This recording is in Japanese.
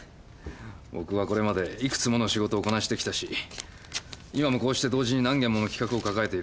僕はこれまでいくつもの仕事をこなしてきたし今もこうして同時に何件もの企画を抱えている。